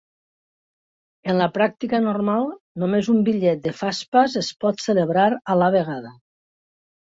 En la pràctica normal, només un bitllet de Fastpass es pot celebrar a la vegada.